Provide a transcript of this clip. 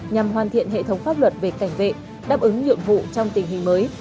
nhằm hoàn thiện hệ thống pháp luật về cảnh vệ đáp ứng nhiệm vụ trong tình hình mới